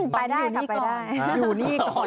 ไปได้ก่อนว่าอยู่นี่ก่อน